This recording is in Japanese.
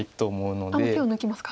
もう手を抜きますか。